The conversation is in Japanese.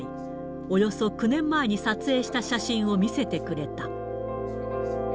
およそ９年前に撮影した写真を見せてくれた。